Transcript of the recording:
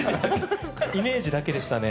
イメージだけでしたね